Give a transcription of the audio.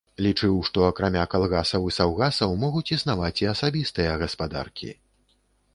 Лічыў, што акрамя калгасаў і саўгасаў могуць існаваць і асабістыя гаспадаркі.